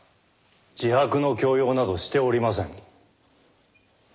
自白の強要などしておりません。